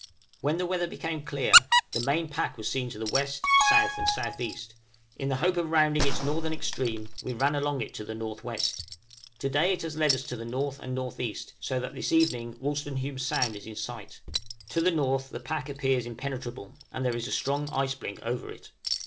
When the weather became clear, the main pack was seen to the W., S., and S.E.; in the hope of rounding its northern extreme we ran along it to the N.W. To day it has led us to the N. and N.E., so that this evening Wolstenholme Sound is in sight. To the N. the pack appears impenetrable, and there is a strong ice blink over it.